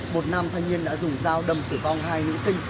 một nam thanh niên đã dùng dao đâm tử vong hai nữ sinh